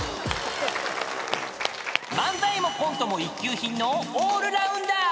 ［漫才もコントも一級品のオールラウンダー］